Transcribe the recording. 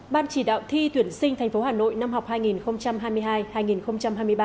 ban chỉ đạo thi tuyển sinh tp hà nội năm học hai nghìn hai mươi hai hai nghìn hai mươi ba